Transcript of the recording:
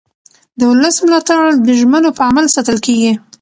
د ولس ملاتړ د ژمنو په عمل ساتل کېږي